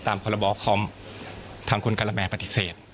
ทำความบ่ก๊อบคอมทางคุณกรมแมร์ปฏิเสธ